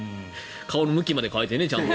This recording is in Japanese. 顔の向きまで変えてね。